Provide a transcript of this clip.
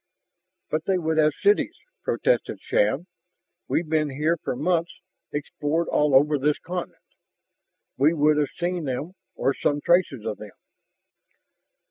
"But they would have cities," protested Shann. "We've been here for months, explored all over this continent. We would have seen them or some traces of them."